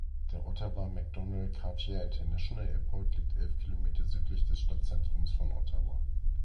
Der Ottawa Macdonald-Cartier International Airport liegt elf Kilometer südlich des Stadtzentrums von Ottawa.